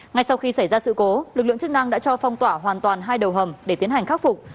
ngay sau khi xảy ra sự cố lực lượng chức năng đã cho phong tỏa hoàn toàn hai đầu hầm để tiến hành khắc phục